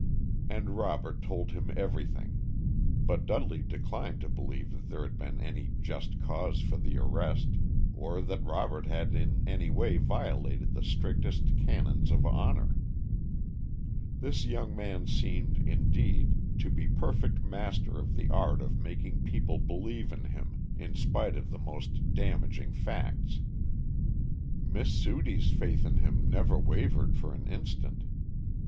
And Robert told him everything, but Dudley declined to believe that there had been any just cause for the arrest, or that Robert had in any way violated the strictest canons of honor. This young man seemed, indeed, to be perfect master of the art of making people believe in him in spite of the most damaging facts. Miss Sudie's faith in him never wavered for an instant.